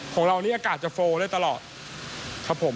ของเรานี่อากาศจะโฟลได้ตลอดครับผม